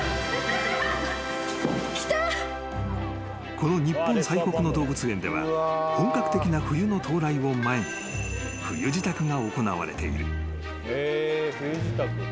［この日本最北の動物園では本格的な冬の到来を前に冬支度が行われている］